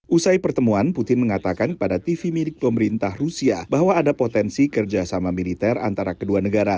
usai pertemuan putin mengatakan kepada tv milik pemerintah rusia bahwa ada potensi kerjasama militer antara kedua negara